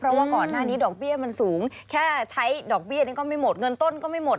เพราะว่าก่อนหน้านี้ดอกเบี้ยมันสูงแค่ใช้ดอกเบี้ยนี่ก็ไม่หมดเงินต้นก็ไม่หมด